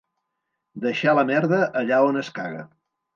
Deixar la merda allà on es caga.